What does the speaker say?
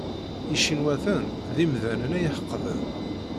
Icinwaten d imdanen ay iḥeqden.